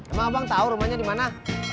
emang abang tahu rumahnya di mana